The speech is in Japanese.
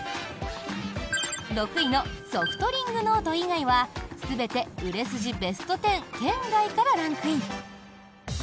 ６位のソフトリングノート以外は全て売れ筋ベスト１０圏外からランクイン。